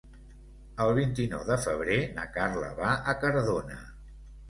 El vint-i-nou de febrer na Carla va a Cardona.